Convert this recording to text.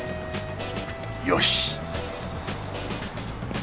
よし